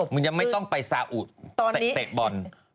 มันยังไม่ต้องไปซาอุเตะบอล